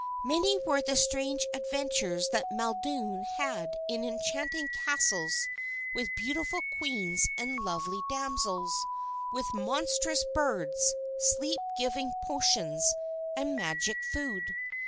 Many were the strange adventures that Maeldune had in enchanted castles with beautiful Queens and lovely damsels, with monstrous birds, sleep giving potions, and magic food.